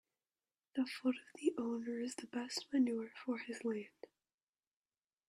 The foot of the owner is the best manure for his land